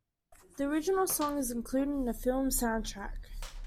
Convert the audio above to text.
The original song is included in the film's soundtrack.